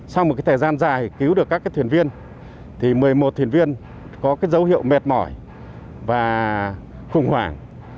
sau một thời gian dài cứu được các thuyền viên một mươi một thuyền viên có dấu hiệu mệt mỏi và khủng hoảng